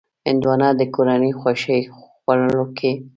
هندوانه د کورنیو خوښې خوړو کې ده.